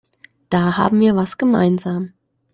Da haben wir was gemeinsam.